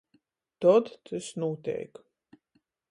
Tod tys nūteik.